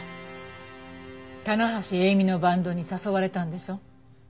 棚橋詠美のバンドに誘われたんでしょ？